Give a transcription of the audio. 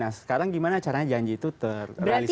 nah sekarang gimana caranya janji itu terrealisasi